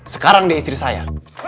sekarang dia istri saya